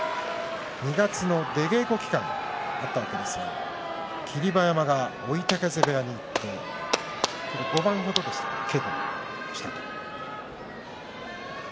２月に出稽古期間があったわけですが霧馬山は追手風部屋に行って５番程、稽古をしたと。